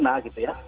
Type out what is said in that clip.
nah gitu ya